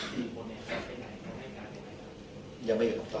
ลุยทีบทั้งหมดเป็นไหนในการวงศาล